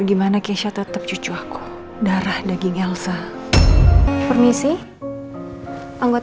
insya allah catherine aman